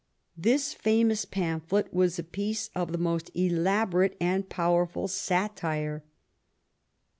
This famous pamphlet was a piece of the most elabo rate and powerful satire.